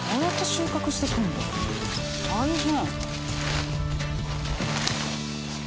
大変！